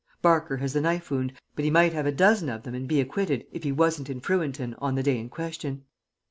Barker has the knife wound, but he might have a dozen of them and be acquitted if he wasn't in Frewenton on the day in question."